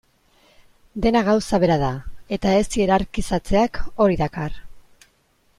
Dena da gauza bera, eta ez hierarkizatzeak hori dakar.